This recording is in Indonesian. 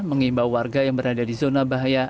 mengimbau warga yang berada di zona bahaya